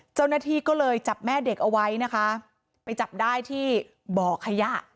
เจ้าหน้าที่ก็เลยจับแม่เด็กเอาไว้นะคะไปจับได้ที่บ่อขยะ